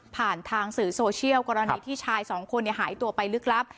ผ่านทางสื่อโซเชียลกรณีที่ชายสองคนหายตัวไปลึกลับ